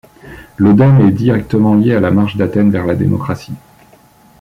Le dème est directement lié à la marche d'Athènes vers la démocratie.